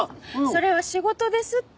それは仕事ですって。